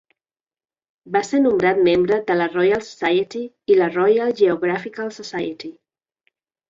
Va ser nombrat membre de la Royal Society i la Royal Geographical Society.